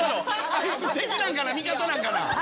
あいつ敵なんかな味方なんかな。